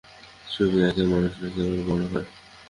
ছবি আঁকিয়া মানুষ নাকি আবার বড় হয়।